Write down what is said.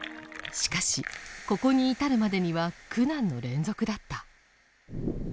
しかしここに至るまでには苦難の連続だった。